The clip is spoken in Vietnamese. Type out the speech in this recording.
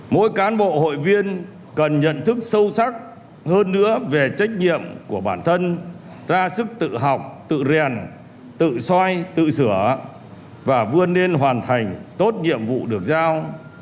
mỗi cán bộ hội viên cần nhận thức sâu sắc hơn nữa về trách nhiệm của bản thân ra sức tự học tự rèn tự soi tự sửa và vươn lên hoàn thành tốt nhiệm vụ được giao